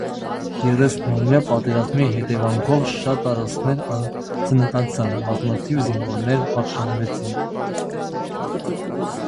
Երեսնամյա պատերազմի հետևանքով շատ տարածքներ սնանկացան, բազմաթիվ զինվորներ վախճանվեցին։